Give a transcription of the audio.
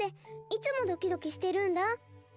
いつもドキドキしてるんだ。